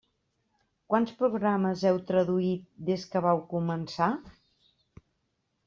Quants programes heu traduït des que vau començar?